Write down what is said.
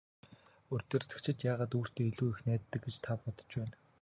Удирдагчид яагаад өөртөө илүү их найддаг гэж та бодож байна?